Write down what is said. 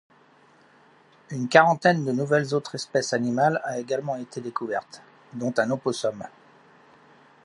Une quarantaine de nouvelles autres espèces animales a également été découverte, dont un opossum.